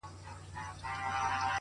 وخت د زحمت ارزښت څرګندوي,